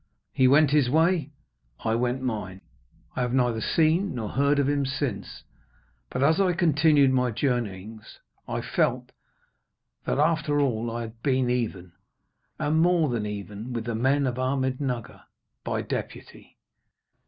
He went his way, I went mine. I have neither seen nor heard of him since. But, as I continued on my journeyings, I felt that after all I had been even, and more than even, with the men of Ahmednugger by deputy.